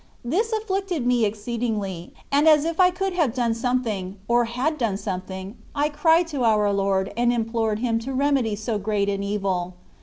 This afflicted me exceedingly; and as if I could have done something, or had been something, I cried to our Lord, and implored Him to remedy so great an evil.